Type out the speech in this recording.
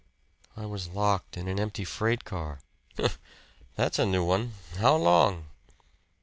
"I was locked in an empty freight car." "Humph! That's a new one! How long?"